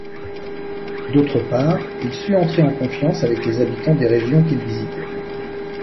D'autre part, il sut entrer en confiance avec les habitants des régions qu'il visitait.